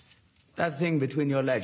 はい。